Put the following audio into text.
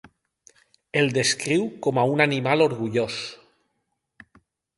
El descriu com a un animal orgullós?